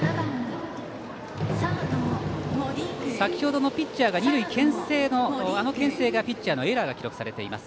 先ほどのピッチャーの二塁けん制がピッチャーのエラーが記録されています。